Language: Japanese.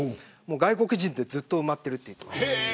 外国人でずっと埋まっているって言ってました。